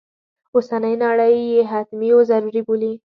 اوسنی نړی یې حتمي و ضروري بولي.